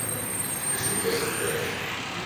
Ήσουν βιαστικός.